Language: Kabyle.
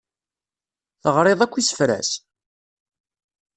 Teɣriḍ akk isefra-s?